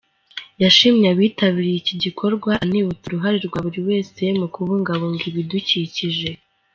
Yashimiye abitabiriye iki gikorwa, anibutsa uruhare rwa buri wese mu kubungabunga ibidukikije.